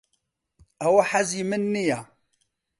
ئەوە حەزی من نییە.